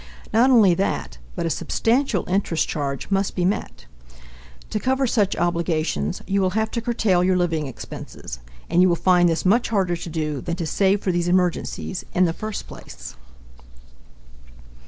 Not only that, but a substantial interest charge must be met. To cover such obligations, you will have to curtail your living expenses, and you will find this much harder to do than to save for these emergencies in the first place.